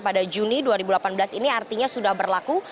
pada juni dua ribu delapan belas ini artinya sudah berlaku